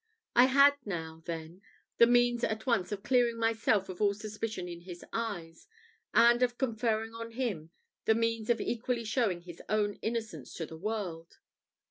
I had now, then, the means at once of clearing myself of all suspicion in his eyes, and of conferring on him the means of equally showing his own innocence to the world.